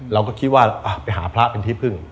เราก็คิดว่าไปหาพระเป็นที่พึ่ง